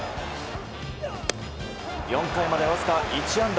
４回までわずか１安打。